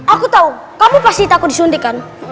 aku tau kamu pasti takut disuntik kan